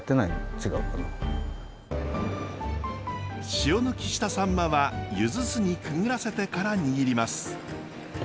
塩抜きしたさんまはゆず酢にくぐらせてから握ります。